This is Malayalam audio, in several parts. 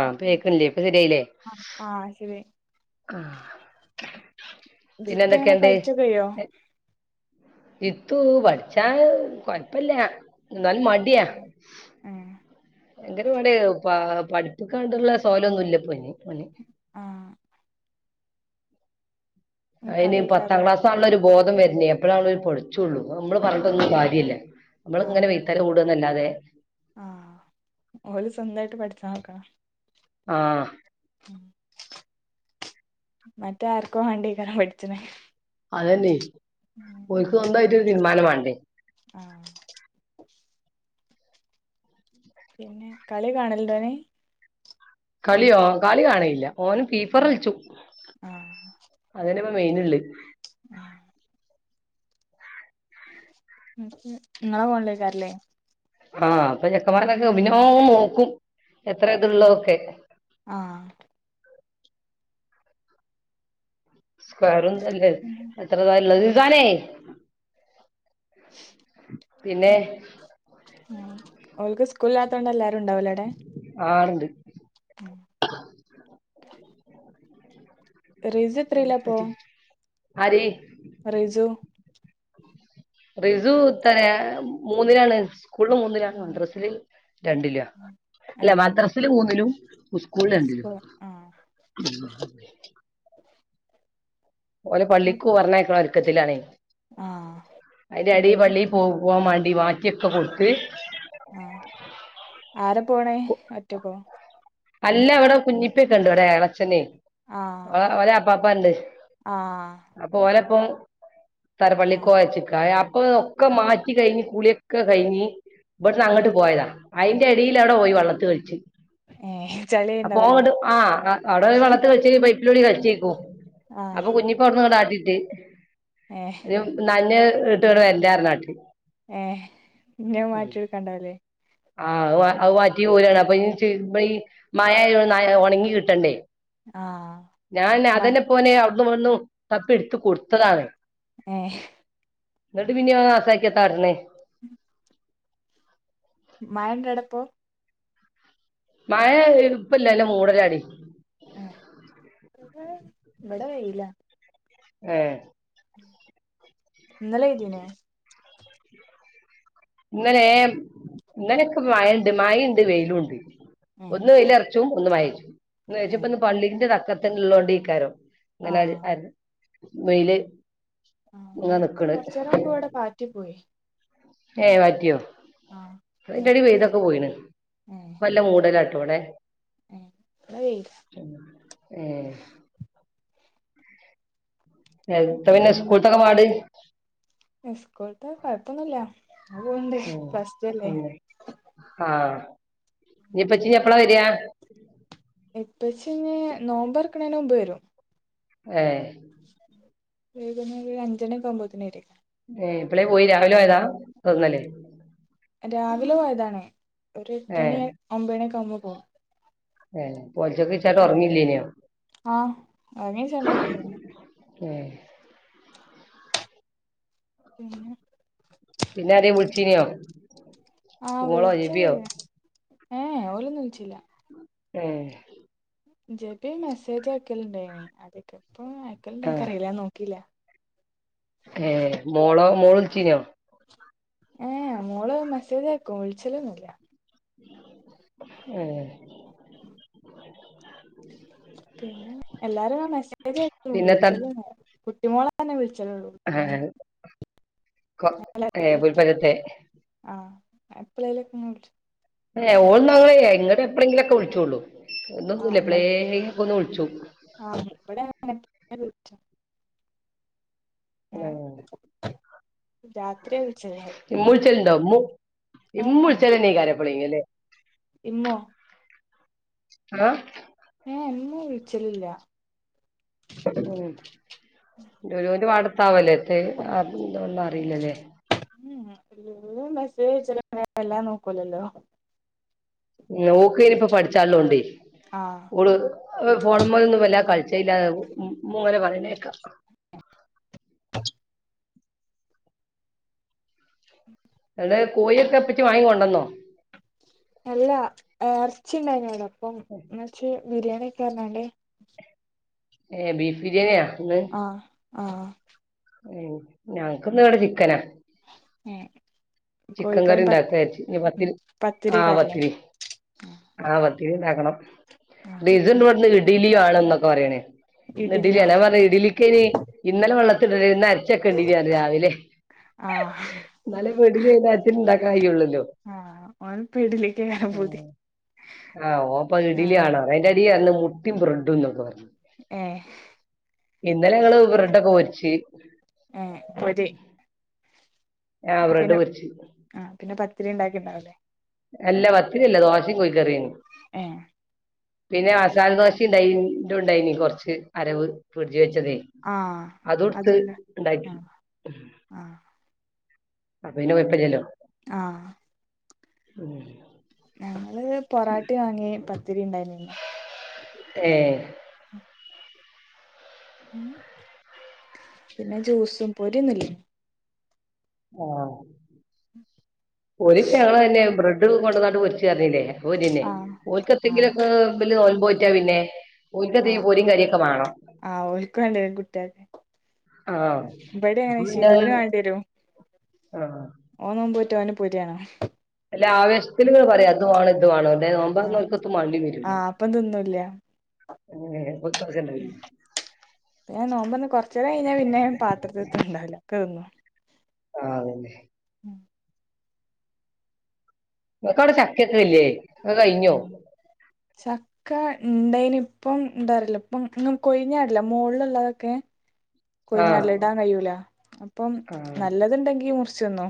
ആ കേക്കണില്ലേ ഇപ്പൊ ശരിയായില്ലേ ആഹ് ശരി ആ പിന്നെ ജിത്ത് എങ്ങനെ എന്തൊക്കെയുണ്ട് പഠിച്ചൊക്കെ കയ്യോ ഇത്തു പഠിച്ചാൻ കൊഴപ്പില്ല എന്നാലും മടിയാ ഏഹ് ഭയങ്കരപാട് പഠിപ്പിക്കാണ്ടുള്ള [unintelligible] ഇല്ല ഇപ്പൊ ഇനി ആഹ് ഉം അതിന് പത്താം കളിയേക്കാരല്ലേ ക്ലാസ് ആണല്ലോ ഒരു ബോധം വരുന്നേ അപ്പോഴാണ് അവര് പഠിച്ചുള്ളൂ നമ്മള് ആഹ് പറഞ്ഞിട്ടൊന്നും കാര്യല്ല നമ്മൾ ഇങ്ങനെ [unintelligible] കൂടന്നല്ലാതെ ആ ഓല് സ്വന്തായിട്ട് പഠിച്ചാൻ നോക്കാ ആഹ് മറ്റേ ആർക്കും വേണ്ടീക്കാണ് പഠിച്ചണ് അതെന്നേ ഓല്ക്ക് സ്വന്തായിട്ട് ഒരു തീരുമാനം വേണ്ടേ ആഹ് പിന്നെ കളി കാണൽ ഇണ്ടോ ഓന് കളിയോ കളി കാണലില്ല ഓൻ ഫീ ഫയറ് കളിച്ചും മെയിനിള്ളേ ആ നിങ്ങളെ ഫോണിലായിക്കും ലെ ആ അപ്പൊ ചെക്കന്മാരൊക്കെ [unintelligible] നോക്കും എത്രവയസുള്ളത് ആഹ് ഒക്കെ സ്ക്വയറൊന്നല്ല എത്രത ഇള്ളത്‌ ആഹ് റിസാനെ പിന്നെ ഉം ഓൽക്ക് സ്കൂളില്ലാത്തോണ്ട് എല്ലാരും ഉണ്ടാവല്ലോ അവിടെ ആളുണ്ട് റിജ എത്രേലപ്പോ ആര് റിജു റിസു തെര മൂന്നിലാണ് സ്കൂളിൽ മൂന്നിലാണ് മദ്രസില് രണ്ടിലും അല്ല ഏഹ് മദ്രസില് മൂന്നിലും സ്കൂളില് രണ്ടിലും സ്കൂ ആഹ് ഓലെ പള്ളിക്കു പറഞ്ഞയക്കണ ഒരുക്കത്തിലാണ് ആഹ് അതിന്റെ അടി ഇബടെ പള്ളിയിൽ പോ പോകാൻ മ ടി മാറ്റിയൊക്കെ കൊടുത്ത് ആഹ് ആരെ പോണേ ഒറ്റക്കോ അല്ല അവിടെ കുഞ്ഞിപ്പൊക്കെ ഉണ്ട് ഇവിടെ എളച്ഛനെ ആഹ് ഓ ഓല അപ്പപ്പാണ്ട് ആഹ് അപ്പൊ ഓലപ്പം ആഹ് തറപ്പള്ളിക്കൊഴച്ചക്കായ അപ്പൊ ഒക്കെ മാറ്റി കഴിഞ്ഞ് കുളിയൊക്കെ കഴിഞ്ഞ് ഇവിട്ന്ന് ആഹ് അങ്ങോട്ട് പോയതാ അയിന്റെ അടിയിൽ അവിടെ പോയി വള്ളത്ത് കഴിച്ച് ഏഹ് ചളിണ്ടാവൂലേ അപ്പൊങ്ങട് ആ അവിടെ [unintelligible] ബൈപ്പിലൂടി കളിച്ചേക്കും ആഹ് അപ്പൊ കുഞ്ഞിപ്പോടന്നണ്ടാട്ടിട്ട് ഏഹ് നനഞ് ഇട്ടണ് വരണ്ട അറിഞ്ഞാട്ടി ഏ ഇഞ്ഞത് മാറ്റി എടക്കാണ്ടാവില്ലേ ആ അ വാറ്റി പോരാണ് അപ്പൊ [unintelligible] മഴ ഒണങ്ങി കിട്ടണ്ടേ ആഹ് ഞാൻ മ അതെന്നെ പ്പോന് അവിടുന്ന് ഇവിടുന്ന് തപ്പി എടുത്ത കൊടുത്തതാണ് ഏ ന്നിട്ടും പിന്നെ അത് നാസാക്കിയ എത്ത കാട്ട്ണത് ഉം മയണ്ടൊ അവുടെപ്പോ മഴ ഇപ്പല്ലല്ല മൂടലടി ആ ഇവിടെ വെയില ഏ ഇന്നലെ പെയിതീനൊ ഇന്നലേ ഇന്നലോക്കെ മയിണ്ട് മയുണ്ട് വെയിലുണ്ട് ഏഹ് ഒന്ന് വെയ്ലറച്ചും ഒന്ന് മഴഞ്ചും ഏഹ് ഒന്ന് [unintelligible] പള്ളിന്റെ തക്കത്തി ഉള്ളതോണ്ട് അയ്ക്കാരം ഇന്നലെ ആഹ് [unintelligible] വെയില് ആ ഇങ്ങനെ നേരത്തെ നിക്കണ് കൊറചേരം മുമ്പ് ഇവിടെ പാറ്റി പോയി ഏ മാറ്റിയോ ആഹ് അയ്ന്റെ എടൽ വെയിലൊക്കെ പോയിണ് ഏഹ് ഇപ്പല്ല മൂടലാണ് ഏഹ് ഇവടെ വെയില [unintelligible] ഏ [unintelligible] ത്ത പിന്നെ സ്കൂൾത്തെക്കെ പാട് സ്കൂൾത്തെ കൊഴപ്പൊന്നൂല്ല അങ്ങനെ പോണുണ്ട് ഉം പ്ലസ് ടു അല്ലേ ഉം ഇഞ്ഞി ഇപ്പച്ചി ഇഞ്ഞി എപ്പളാ വരാ ഇപ്പച്ചി ഇഞ്ഞി നോമ്പറക്കുന്നേന് മുമ്പ് വരും ഏ വൈകുന്നേരം ഒരു അഞ്ചെണെക്കെ ആകവുമ്പോത്തിന് വരോയ്ക്കാ ഏ എപ്പളേ പോയി രാവിലെ പോയതാ അതോ ഇന്നലെ രാവിലെ പോയതാണേ ഒരു എട്ട ഏ മണി ഒമ്പ മണിയൊക്കെ ആവുമ്പോ പോകും ഏ പോലച്ചക്ക ഇച്ചാട്ട് ഉറങ്ങില്ലെനോ ആഹ് ഉറങ്ങിച്ചാണ്ട് ഏ പിന്നെ പിന്നെആരേലും വിളിച്ചീനോ ആഹ് മോളോ ജെബിയോ വിളിചൊന്നുല്ല ഏ ഓലൊന്നും വിളിച്ചില്ല ഏ ജെബി മെസ്സേജ് അയക്കലുണ്ടായിനി അതൊക്കെ ഇപ്പ ആ അയക്കലുണ്ട്ക്കറില്ല ഞാൻ നോക്കില്ല ഏ മോളോ മോളു വിളിച്ചീനോ ഏ മോള് മെസ്സേജ് അയക്കും വിളിച്ചലൊന്നുല്ല ഏ പിന്നെ എല്ലാരും ഇങ്ങനെ മെസ്സേജ് അയക്കും പിന്നെ ത വിളിച്ചലൊന്നും ഇല്ല കുട്ടിമോളങ്ങനെ വിളി ആ കൊ ഏ പുൽപ്പറ്റത്തെ എപ്പളേലൊക്കെങ്ങ വിളിച്ചും ഓ ഓൾന്ന ഇല്ലേ ഇങ്ങടെ എപ്പോഴെങ്കിലൊക്കെ വിളിച്ചോള്ളൂ എന്നും ആഹ് ഒന്നുമില്ല ഇങ്ങ എപ്പളേങ്കിലും ഒന്ന് വിളിച്ചും ആഹ് ഇവിടെ [unintelligible] വിളിച്ചും ഏ ആ രാ ഇമ്മൂൾച്ചലുണ്ടോ ഇമ്മു ഏ ഇമ്മു വിളിച്ചലന്നെയിക്കാരം എപ്പളെ ങ്കിലും ലെ ഇമ്മോ ആ ഏ ഇമ്മു വിളിച്ചലില്ല ഉം ലുലുന്റെ [unintelligible] എത്തെ [unintelligible] [unintelligible] അറിയില്ലല്ലേ ഉം മെസ്സേജ് അയച്ചാലുംല്ല എല്ലാം നോക്കൂലല്ലോ ഉം ഓക്ക് ഇനിയിപ്പോ പഠിച്ചാല്ലോണ്ടേ ആഹ് ഓൾ ഫോണ്മ്മലൊന്നും വല്ല കളിച്ച ചെയല്ലാ മോ മുങ്ങനെ പറനേക്ക അടെ കോഴൊക്കെ എപ്പറ്റി വാങ്ങൊണ്ടന്നോ എല്ല ഇറച്ചിണ്ടായിനോടൊപ്പം എന്ന് വെച്ച് ബിരിയാണി ഒക്കെ അണണ്ടേ ഏ ബീഫ് ബിരിയാണിയ ഇന്ന് ആ ഉം ഞങ്ങക്ക് ഇന്ന് ഇവിടെ ചിക്കനാ ഏഹ് ചിക്കൻ കറി കോഴിക്കറിയും പ ഉണ്ടാക്കച്ച ഇ പത്തിരി ആഹ് പത്തിരിയൊക്കെയാരില്ലേ പത്തിരി ആ പത്തിരിണ്ടാക്കണം ആഹ് ഡിസിൽ ഇന്ന് വന്ന് ഇഡലി വാണം എന്നൊക്കെ പറയണേ ഇന്ന് ഇഡ്ലിയോ ഇഡിലിയാ ഞാൻ പറഞ്ഞ് ഇഡിലിക്ക് ഇനി ഇന്നലെ വള്ളത്തിലിഡാ ഇന്ന് അ അരച്ച് വെക്കണ്ടീർന്ന് റ രാവില ആഹ് ന്നാലെ വേ ഇഡ്ഡലി ഈ നേരത്തിന് ഇണ്ടാക്കാൻ കഴിയുള്ളല്ലോ ആഹ് ഓനിപ്പ ഇഡ്ലിക്കാണ് ആ പൂതി ആ ഓ അപ്പ ഇഡലി ആഹ് ആണോ എന്റെ അടി അന്ന് മുട്ടിയും ബ്രഡും തിന്നോ ഏ ഇന്നലെ ഞങ്ങള് ബ്രെഡൊക്കെ പൊരിച്ച് ഏഹ് പൊരി ആ ബ്രെഡ് പിന്നെ പൊരിച്ച് ആ പിന്നെ പത്തിരി ഉണ്ടാക്കിണ്ടാവല്ലേ അല്ല വത്തിരില്ല ദോശയും കോഴി കറിയോം ഏഹ് പിന്നെ മസാല ദോശ ഇണ്ട ഉണ്ടായിനി കുറച്ച് അരവ് ഫീ ജ വച്ചതേ ആഹ് അതൊടുത്ത് അതുണ്ട് ഉണ്ടാക്കി ആഹ് ആഹ് അപ്പൊ പിന്നെ കൊഴപ്പമില്ലല്ലോ ആ ഉം ഞങ്ങള് പൊറാട്ടി വാങ്ങി ത്തിരി ഉണ്ടായിന്ന് ഏ പിന്നെ ജ്യൂസും പൊരി ഒന്നുല്ല ആ പൊരി ഞങ്ങൾ തന്നെ ബ്രെഡ് കൊണ്ടന്നാണ്ട് പൊരിച്ച് പറഞ്ഞില്ലേ ഓന്നെന്നെ ആഹ് ഓക്കത്തെങ്കിലും ആഹ് ഒക്കെ വല് നോമ്പ് നോറ്റാ പിന്നെ ഓൽക്ക് ആ എന്തെങ്കിലും പൊരിയും കറിയൊക്കെ വേണം ആ ഓക്ക് വേണ്ടി വരും കുട്ടിയാക്കെ ആ ഇവിടെ അപ്പൊ എങ്ങനെ പിന്നെ ശീതൂനും വേണ്ടി വരു ആ ഓന് നോമ്പ് നോറ്റ ഓൻ പുര ആവേശത്തിൽ നിങ്ങൾ പറയും അതുമാണ് ഇത് വേണോ ദേ ആഹ് നോമ്പാക്കൊത്തും മണ്ടി വരൂല്ല ആഹ് അപ്പം ഞാൻ നോമ്പറ്ന്ന് കൊറ്ചെരം കഴിഞ്ഞാ പിന്നെ പാത്രത്ത്തെ ണ്ടാവുല്ല ക്കെ ർന്നു ആ അതന്നെ ഇങ്ങേക്ക് അവ്ടെ ചക്കക്കില്ലേ അഹ് കഴിഞ്ഞോ ചക്ക ഉണ്ടേനു ഇപ്പം എന്താറില്ല ഇപ്പം ഇുന്നും കൊഴിഞ്ഞാടില്ല മോളില്ള്ളതൊക്കെ ആഹ് കൊയ്ഞ്ഞാടല് ഇടാൻ കയ്യുല അപ്പം നല്ലത്ണ്ടെങ്കി മുറ്ച്ചന്നോ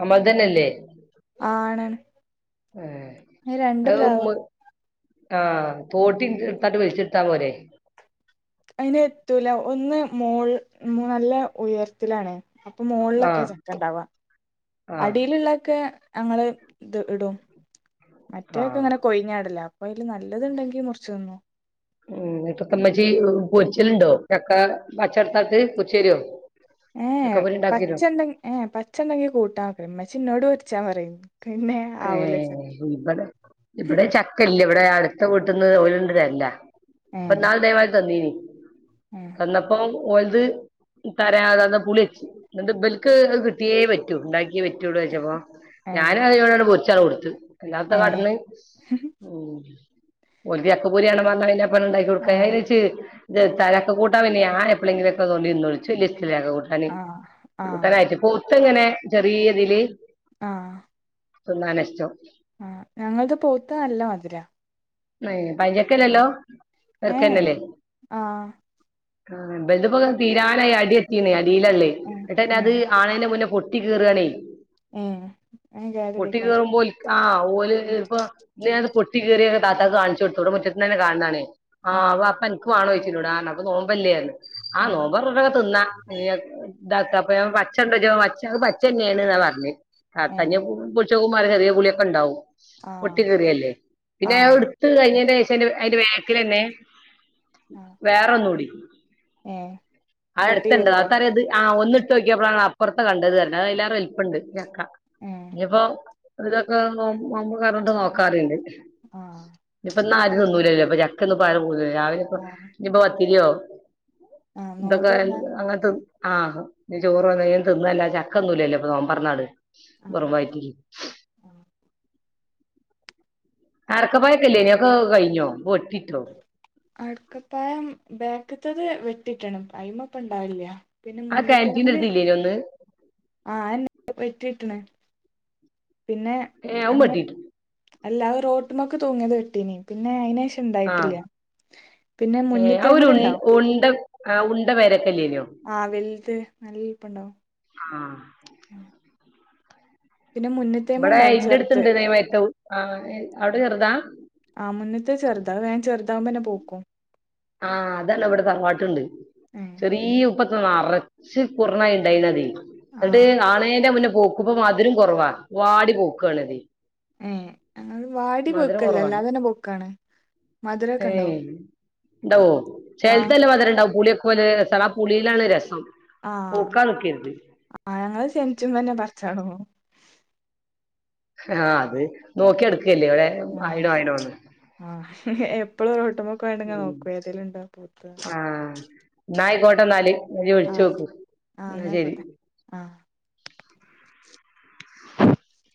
നമ്മൾതന്നെല്ലേ ആ ആണാണ് ഹേ രണ്ട് അത് മ്മ് പ്ലാവ് ആ തോട്ടണ്ട്ത്ട്ട് വലിച്ച് [unintelligible] ഐന് എത്തൂല ഒന്ന് മോൾ നല്ല ഉയർത്തിലാണ് അപ്പം മോളിലൊക്കെ ആഹ് ചക്ക ണ്ടാവാ ആഹ് അടിയില് ള്ളോ ക്കെ ഞങ്ങള് ഇത് ഇടും മറ്റോക്കെ ആഹ് ങ്ങനെ കൊയ്ഞ്ഞാടലാ അപ്പ അയ്ല് നല്ലത്ണ്ടെങ്കി മുറ്ച്ച് നിന്നു [unintelligible] ഏ ഏ ചക്കപ്പൊരി ഇണ്ടാക്കിരോ പച്ചന്ത ഏ പച്ചന്തേങ്കി കൂട്ടാൻ വെക്കണം മ്മച്ചി ഇന്നോട് പോര്ച്ചാ പറിം ഏ ഇബെടെ ഇബെടെ ചക്കല്ലോ ഇബെടെ അട്ത്ത വീട്ട്ന്ന് ഓല്ണ്ട് തറ്ലാ ഇപ്പ ഏഹ് നാള് ഇതേമാതിരി തന്നീനി ഏഹ് കണ്ണപ്പം ഓല്ത് തരാതാന്ന പുളിയെച് ഇങ്ങേട്ട് ഇബല്ക്ക് അഹ് കിട്ടിയേ പറ്റൂ ഇണ്ടാ ഏഹ് [unintelligible] അല്ലാത്താ ഏഹ് കാട്ട്ണെ ഉ ഓല്ക്ക് ചക്കപ്പോരിയാണം പിന്നെ പ്പ ആഹ് ഇണ്ടാക്കി ആഹ് ആഹ് [unintelligible] [unintelligible] ആഹ് തിന്നാനാ ഷ്ടം ആഹ് ഞങ്ങൾത് പൗത്ത നല്ല മധുരാ ഹേ പൈഞ്ചക്കെല്ലല്ലോ ഏഹ് വെറ്ക്കന്നല്ലേ ആഹ് ആ ഇബെല് പ്പോ തീരാനായി അടിഴിടട്ടിനി അടിയിലാല്ലേ ഇങേട്ടെന്നേ ഏഹ് അത് ഏഹ് ആണേന്റെ മുന്നേ പൊ കി കെറാണേ പൊട്ടി ഏഹ് കെറുമ്പോ [unintelligible] ത്തി കീറിയെ താത്താക്ക് കാണിച്ചോട്ത്തു ഇബടെ മുറ്റത്ത്ന്നെന്നേ കാണ്നാ ണെ ആ ആഹ് അപ്പ അന്ക്ക് വാണോച്ന്നോട് ആ റ് ഞ്ഞു [unintelligible] ആ ആഹ് നോബർന്ന് ട്ടോക്കെ തിന്നാ ഇതാക്ക അപ്പ ഞാൻ പച്ചണ്ടോയ്ച്ചപ്പോ പച്ച അഹ് പച്ചന്നെയാണ് ന്നാ പറഞ്ഞെ ഏഹ് [unintelligible] [unintelligible] ആഹ് അതിന്റെ ആഹ് വേക്ക്ല് ന്നെ ആഹ് വേറെ ഒന്നുടി ഏഹ് [unintelligible] എ പൊട്ടിക്കരുതോ നോക്കിയപ്പോഴാണ് അപ്പോറ്ത് കണ്ടത്റ്ഞ് അഹ് എല്ലാറേ വല്പ്പ്പണ്ട് ചക്ക ഏഹ് നിയിപ്പോ ഇതൊക്കെ നോബ് കൈറീട്ട് നോക്കാറി ണ്ട് ആഹ് ഒന്നും ആരും തിന്നൂല്ലോ അപ്പ ചക്ക ആഹ് [unintelligible] ന്ന് ആഹ് ദക നോമ്പെന്നാ അങ്ങത്ത ആ ഇഞ് ചോറ് എങ്ങേനെലും തിന്നല്ലാതെ ചക്കന്നുല്ലല്ലേൊ നോമ്പറ്നാണ്ട് ആഹ് ബറ് വയ്റ്റില് ആഹ് അടക്കപ്പഴക്കല്ലേനോ ഒക്കെ കഴിഞ്ഞോ ഇപ്പൊ വെട്ടിട്ടോ അടക്കപ്പായം ബേക്ക്ത്തത് വെട്ടിട്ട്ണ് അൈമപ്പ ഇണ്ടാകെലില്ല ആ കെന്റീന്റെട്ത്തില്ലേനോ ഒന്ന് ആ എന്നെ വെട്ടിട്ട്ണ് പിന്നെ ഏഹ് അതും അങ്ങ വെട്ടിട്ടോ അല്ല അഹ് റൊട്ട്മ്മക്ക് തൂങ്ങിയത് വെട്ടീനി പിന്നെ അയിന് ആഹ് ണ്ടായിട്ടില്ല പിന്നെ മുന്നിത്തേമല് ഇണ്ടാവും ആ ഉണ്ട വരെ ആ വൽത് നല്ലൽപ്പണ്ടാവും ആഹ് ഇബടെ ചെർത് ഇന്റെട്ത്ത്ണ്ട് തെമതിര്തെ അവിടെ ചെറുതാ താമനെ പോവ്ക്കും ആഹ് അതാണ് അവിടെ തറവാട്ടുണ്ട് ഏഹ് ചെറിയ ഉപ്പ നറച്ച് കുറണ ഇണ്ടായിന്ന്‌ അതി ആഹ് എന്നിട്ട് കാണന്റെ മുന്നേ പോക്കപ്പ മധുരം കുറവാ വാടി പോക്കണതി മ് അത് വാടി പൊക്കല്ലാ അല്ലാത തന്നെ പൊക്കാണ് മധുരൊക്കെ ഏയ് ഉണ്ടാവും ഇണ്ടാവോ ആഹ് ചെലതല്ലേ മധുരം ഇണ്ടാവു പുളിയൊ പോലെ രസവാ ആ പുളിയിലാണ് രസം ആ പൂക്കാൻ നിക്കരുത് ആ ഞങ്ങള് ശനിച്ചും തന്നെ പറച്ചാണോ ഹാ അത് നോക്കി എടുക്കുകല്ലേ ഒരേ ആഹ് ആയിനോ ആയിനോ ന്ന്‌ ആഹ് ഹ് ഹെ എപ്പോഴും ഒരുവെട്ടൊമൊക്ക [unintelligible] ഉം നോക്കുവേ ഏതേലുണ്ടോ പൂത്ത ആഹ് എന്നായിക്കോട്ടെ എന്നാല് ങ്കി വിളിച്ചു നോക്കൂ ആഹ് എന്ന എന്നാ ശെരി ആയിക്കോട്ടെ ആഹ് [inaudible] ആഹ [inaudible]